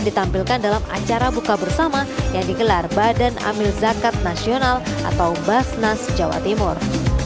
ditampilkan dalam acara buka bersama yang digelar badan amil zakat nasional atau basnas jawa timur